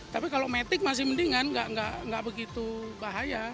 tapi kalau metik masih mendingan nggak begitu bahaya